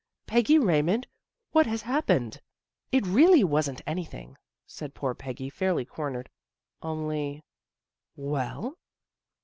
Peggy Raymond, what has hap pened? "" It really wasn't anything," said poor Peggy, fairly cornered. " Only " Well?